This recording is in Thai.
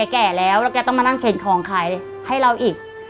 แก่แล้วแล้วแกต้องมานั่งเข็นของขายให้เราอีก